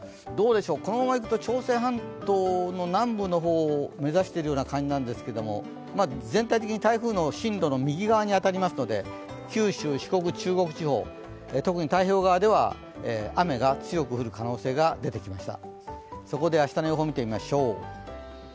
このままいくと朝鮮半島の南部の方を目指してるような感じなんですけど全体的に台風の進路の右側に当たりますので九州、四国、中国地方特に太平洋側では雨が強く降る可能性が出てきました。